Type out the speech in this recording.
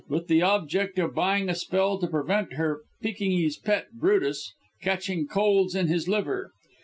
with the object of buying a spell to prevent her Pekingese pet, Brutus, catching colds on his liver.